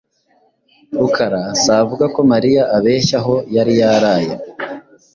Rukara savuga ko Mariya abeshya aho yari yaraye.